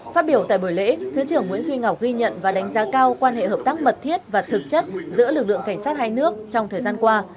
phát biểu tại buổi lễ thứ trưởng nguyễn duy ngọc ghi nhận và đánh giá cao quan hệ hợp tác mật thiết và thực chất giữa lực lượng cảnh sát hai nước trong thời gian qua